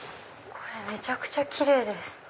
これめちゃくちゃキレイです。